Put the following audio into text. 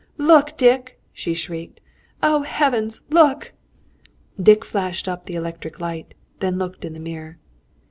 "Look, Dick!" she shrieked. "Oh, heavens! Look!" Dick flashed up the electric light; then looked into the mirror.